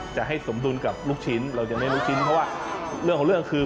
จะให้สมดุลกับลูกชิ้นเราจะได้ลูกชิ้นเพราะว่าเรื่องของเรื่องคือ